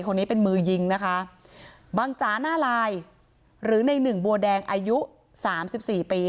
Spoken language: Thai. คนนี้เป็นมือยิงนะคะบังจ๋าหน้าลายหรือในหนึ่งบัวแดงอายุสามสิบสี่ปี